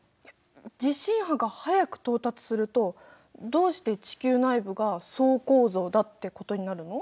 地震波が早く到達するとどうして地球内部が層構造だってことになるの？